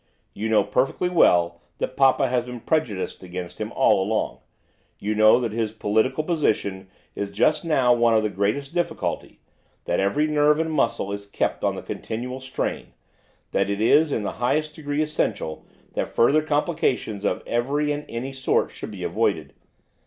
You know perfectly well that papa has been prejudiced against him all along, you know that his political position is just now one of the greatest difficulty, that every nerve and muscle is kept on the continual strain, that it is in the highest degree essential that further complications of every and any sort should be avoided.